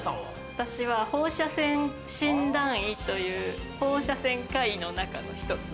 私は放射線診断医という放射線科医の中の一つ。